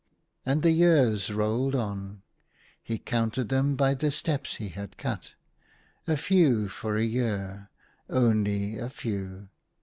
And the years rolled on : he counted them by the steps he had cut — a few for a year — only a few.